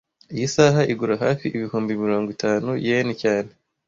Iyi saha igura hafi ibihumbi mirongo itanu yen cyane